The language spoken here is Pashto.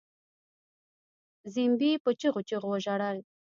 زينبې په چيغو چيغو وژړل.